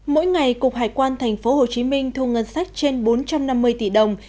mỗi ngày cục hải quan tp hcm thu ngân sách trên bốn trăm năm mươi tỷ đồng